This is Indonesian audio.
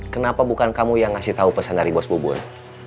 kenapa bukan kamu yang ngasih tahu pesan dari bos bubur